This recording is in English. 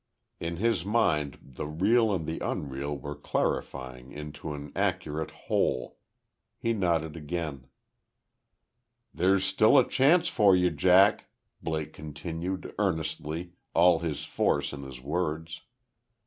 In his mind the real and the unreal were clarifying into an accurate whole. He nodded again. "There's still a chance for you, Jack." Blake continued, earnestly, all his force in his words.